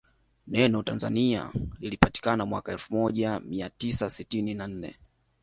Neno Tanzania lilpatikana mwaka elfu moja mia tisa sitini na nne